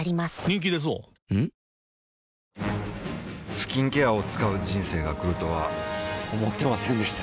スキンケアを使う人生が来るとは思ってませんでした